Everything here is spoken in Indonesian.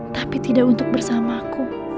tapi tidak untuk bersamaku